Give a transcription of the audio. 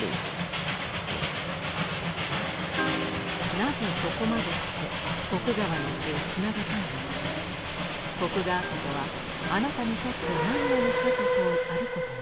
「なぜそこまでして徳川の血をつなげたいのか徳川家とはあなたにとって何なのか」と問う有功に春日局は答えます。